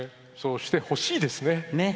そうしてほしいですね。